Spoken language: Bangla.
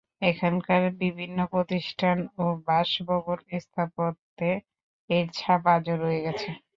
এখানকার বিভিন্ন প্রতিষ্ঠান ও বাসভবনের স্থাপত্যে এর ছাপ আজও রয়ে গেছে।